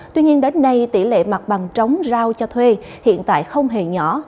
tuy nhiên đến nay tỷ lệ mặt bằng trống giao cho thuê hiện tại không hề nhỏ